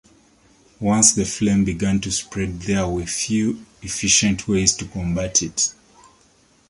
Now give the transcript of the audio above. Once the flame began to spread there were few efficient ways to combat it.